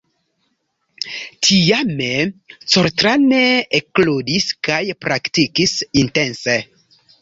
Tiame Coltrane ekludis kaj praktikis intense.